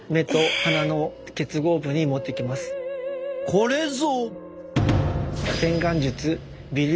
これぞ！